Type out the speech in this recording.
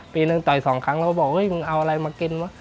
ปีนึงต่อยสองครั้งแล้วก็บอกเฮ้มึงเอาอะไรมากินวะ